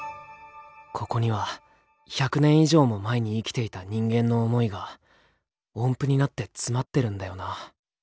「ここには１００年以上も前に生きていた人間の想いが音符になって詰まってるんだよな」。